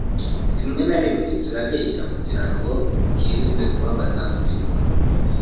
Rimwe na rimwe turabeshya kugirango twirinde kubabaza undi muntu.